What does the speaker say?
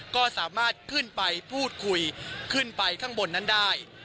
ก็สามารถขึ้นไปพูดคุยขึ้นไปข้างบนนั้นได้